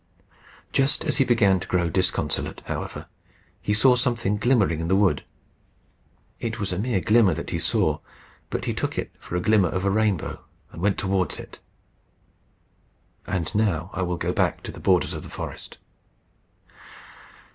Just as he began to grow disconsolate, however, he saw something glimmering in the wood. It was a mere glimmer that he saw, but he took it for a glimmer of rainbow, and went towards it. And now I will go back to the borders of the forest.